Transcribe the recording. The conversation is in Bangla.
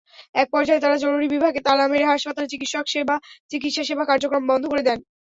একপর্যায়ে তাঁরা জরুরি বিভাগে তালা মেরে হাসপাতালের চিকিৎসাসেবা কার্যক্রম বন্ধ করে দেন।